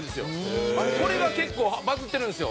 これが結構バズってるんですよ。